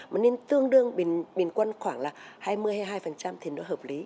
mà nên tương đương bình quân khoảng là hai mươi hai mươi hai thì nó hợp lý